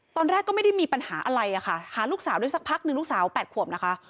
ตอนแรกก็ไม่ได้มีปัญหาอะไรอะค่ะหาลูกสาวได้สักพักหนึ่งลูกสาว๘ขวบนะคะ